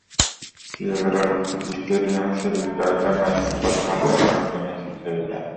কিয়েভের অলিম্পিক স্টেডিয়ামে সিটির জয়টা ম্যাচের প্রথমার্ধেই মোটামুটি নিশ্চিত হয়ে যায়।